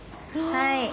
はい。